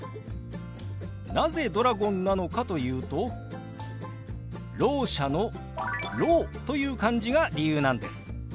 なぜドラゴンなのかというと聾者の「聾」という漢字が理由なんです。